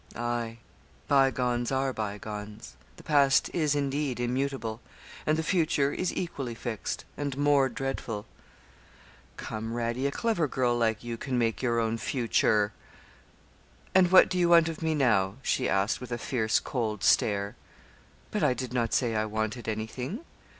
'Aye, by gones are by gones; the past is, indeed, immutable, and the future is equally fixed, and more dreadful.' 'Come, Radie; a clever girl like you can make your own future.' 'And what do you want of me now?' she asked, with a fierce cold stare. 'But I did not say I wanted anything.'